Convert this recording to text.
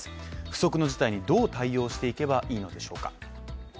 不測の事態にどう対応していけばいいのでしょうか？